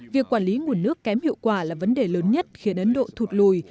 việc quản lý nguồn nước kém hiệu quả là vấn đề lớn nhất khiến ấn độ thụt lùi